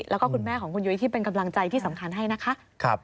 แล้วก็คุณแม่ของคุณยุ้ยที่เป็นกำลังใจที่สำคัญให้นะคะ